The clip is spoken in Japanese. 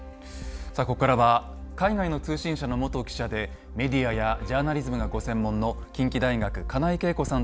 さあここからは海外の通信社の元記者でメディアやジャーナリズムがご専門の近畿大学金井啓子さんとお伝えします。